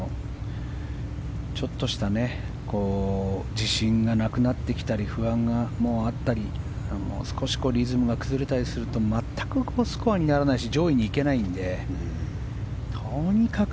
ちょっとした自信がなくなってきたり不安があったり少しリズムが崩れたりすると全くスコアにならないし上位に行けないのでとにかく